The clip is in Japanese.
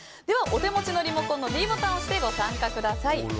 では、お手持ちのリモコンのｄボタンを押してご参加ください。